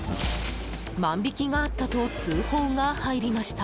万引きがあったと通報が入りました。